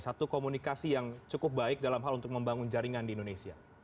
satu komunikasi yang cukup baik dalam hal untuk membangun jaringan di indonesia